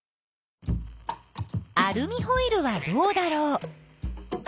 アルミホイルはどうだろう。